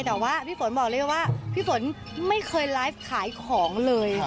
แต่ว่าพี่ฝนบอกเลยว่าพี่ฝนไม่เคยไลฟ์ขายของเลย